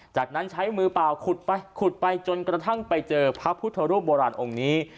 จากนั้นใช้มือเปล่าขุดไปขุดไปจนกระทั่งไปเจอพระพุทธรูปโบราณองค์นี้